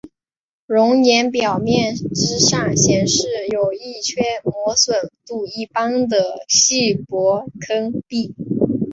熔岩表面之上显示有一圈磨损度一般的细薄坑壁。